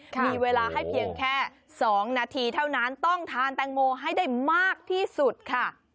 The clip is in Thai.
มีเวลาให้เพียงแค่๒นาทีเท่านั้นต้องทานแตงโมให้ได้มากที่สุดค่ะ